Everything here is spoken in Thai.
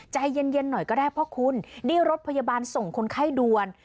ใจเย็นหน่อยก็ได้เพราะคุณนี่รถพยาบาลส่งคนไข้ด่วน